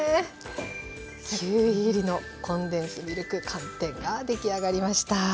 キウイ入りのコンデンスミルク寒天が出来上がりました。